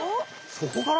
そこから？